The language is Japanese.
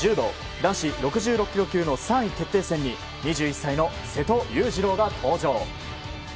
男子６６ｋｇ級の３位決定戦に２１歳の瀬戸勇次郎が登場。